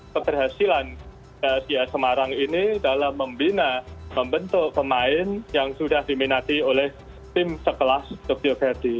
keberhasilan semarang ini dalam membina membentuk pemain yang sudah diminati oleh tim sekelas tokyo verde